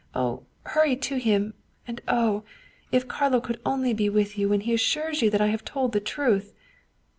Oh, hurry to him and oh! if Carlo could only be with you when he assures you that I have told the truth!"